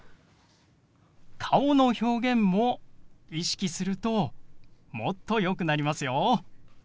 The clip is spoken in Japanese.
顔の表現も意識するともっとよくなりますよ。